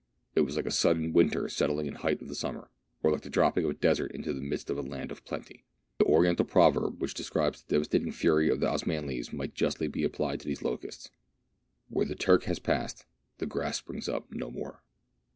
It was like a sudden winter settling in the height of summer, or like the dropping of a desert into the midst of a land of plenty. The Oriental proverb which describes the devastating fury of the Osmanlis might justly be applied to these locusts, "Where the Turk has passed, the grass springs up no more."